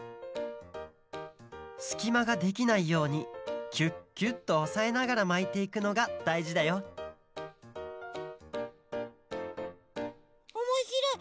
すきまができないようにキュッキュッとおさえながらまいていくのがだいじだよおもしろい！